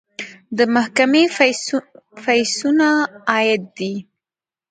د محکمې فیسونه عاید دی